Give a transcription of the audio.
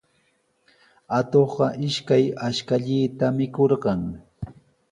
Atuqqa ishkay ashkallaata mikurqan.